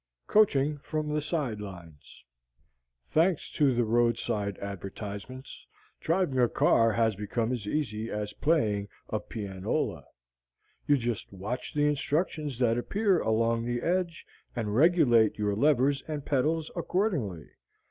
COACHING FROM THE SIDE LINES Thanks to the roadside advertisements, driving a car has become as easy as playing a pianola. You just watch the instructions that appear along the edge, and regulate your levers and pedals accordingly.